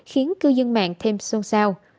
khiến cư dân mạng thêm xôn xao